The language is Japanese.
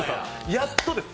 やっとです。